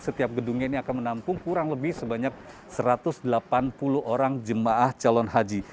setiap gedungnya ini akan menampung kurang lebih sebanyak satu ratus delapan puluh orang jemaah calon haji